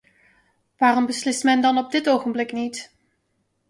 Waarom beslist men dan op dit ogenblik niet?